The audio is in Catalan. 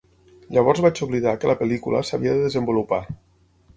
Llavors vaig oblidar que la pel·lícula s'havia de desenvolupar.